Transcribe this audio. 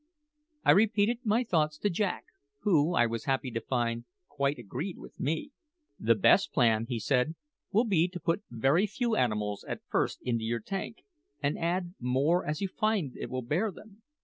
I repeated my thoughts to Jack, who, I was happy to find, quite agreed with me. "The best plan," he said, "will be to put very few animals at first into your tank, and add more as you find it will bear them.